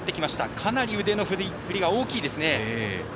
かなり腕の振りが大きいですね。